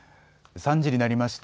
３時になりました。